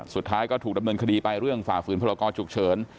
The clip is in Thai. สุดท้ายก็ถูกดำเนินคดีไปเรื่องฝ่าฝืนพรกรฉุกเฉิน